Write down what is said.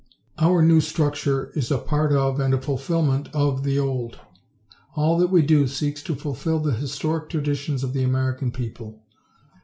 Our new structure is a part of and a fulfillment of the old. All that we do seeks to fulfill the historic traditions of the American people.